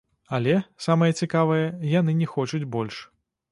Але, самае цікавае, яны не хочуць больш.